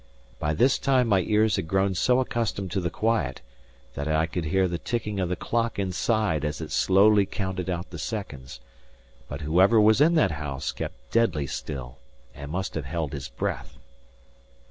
By this time my ears had grown so accustomed to the quiet, that I could hear the ticking of the clock inside as it slowly counted out the seconds; but whoever was in that house kept deadly still, and must have held his breath.